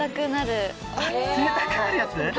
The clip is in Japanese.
あっ冷たくなるやつ？